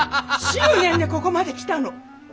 執念でここまで来たの！